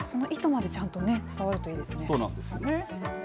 意図までちゃんと伝わるといいですね。